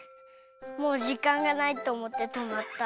もうじかんがないとおもってとまった。